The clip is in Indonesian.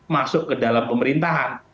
masuk ke dalam pemerintahan